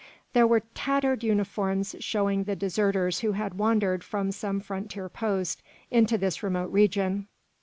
There were tattered uniforms showing the deserters who had wandered from some frontier post into this remote region.